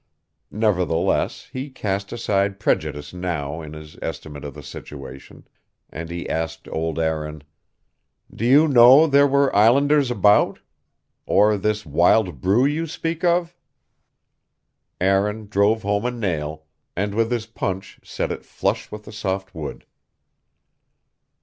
Nevertheless, he cast aside prejudice now in his estimate of the situation; and he asked old Aaron: "Do you know there were Islanders about? Or this wild brew you speak of?" Aaron drove home a nail, and with his punch set it flush with the soft wood.